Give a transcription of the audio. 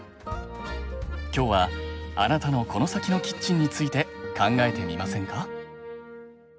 今日はあなたのコノサキのキッチンについて考えてみませんか？